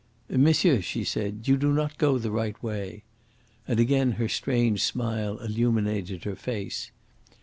"Monsieur," she said, "you do not go the right way." And again her strange smile illuminated her face.